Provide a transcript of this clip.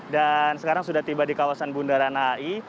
dan sekarang sudah tiba di kawasan bundaran ai